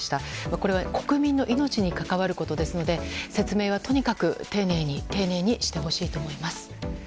これは国民の命に関わることですので説明はとにかく丁寧に丁寧にしてほしいと思います。